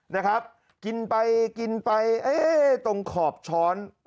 นะครับกินไปกินไปเอ๊ะตรงขอบช้อน